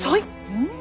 うん！